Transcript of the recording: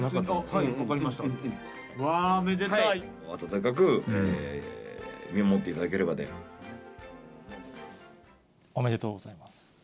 分かりまし温かく見守っていただければおめでとうございます。